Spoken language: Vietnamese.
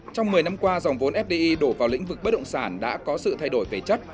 trong một mươi năm qua dòng vốn fdi đổ vào lĩnh vực bất động sản đã có sự thay đổi về chất